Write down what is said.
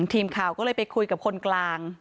ทีมข่าวก็เลยไปคุยกับคนกลาง